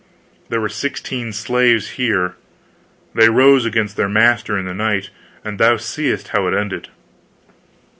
"There were sixteen slaves here. They rose against their master in the night, and thou seest how it ended."